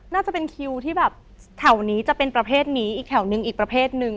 น่าจะเป็นคิวที่แบบแถวนี้จะเป็นประเภทนี้อีกแถวนึงอีกประเภทหนึ่ง